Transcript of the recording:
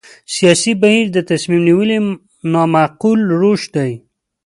سیاسي بهیر د تصمیم نیونې نامعقول روش دی.